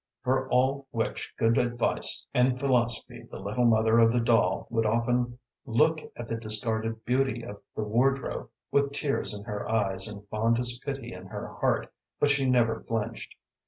For all which good advice and philosophy the little mother of the doll would often look at the discarded beauty of the wardrobe, with tears in her eyes and fondest pity in her heart; but she never flinched.